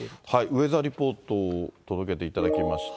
ウェザーリポートを届けていただきました。